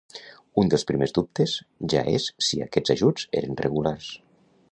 Un dels primers dubtes ja és si aquests ajuts eren regulars.